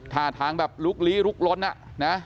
ท่าทางแบบลุกลี้ลุกล้น